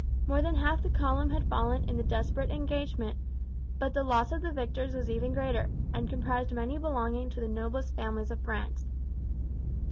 More than half the column had fallen in the desperate engagement, but the loss of the victors was even greater, and comprised many belonging to the noblest families of France.